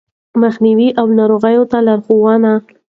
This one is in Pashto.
مخنيوی او ناروغ ته لارښوونې